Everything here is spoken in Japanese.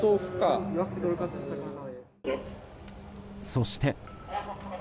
そして。